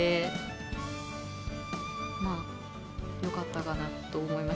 まあよかったかなと思います。